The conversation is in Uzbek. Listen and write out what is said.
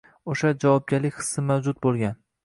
o‘sha, javobgarlik hissi mavjud bo‘lgan